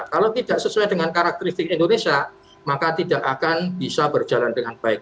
kalau tidak sesuai dengan karakteristik indonesia maka tidak akan bisa berjalan dengan baik